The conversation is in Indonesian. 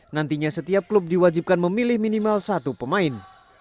nantinya setiap klub diwajibkan memilih minimal satu pemain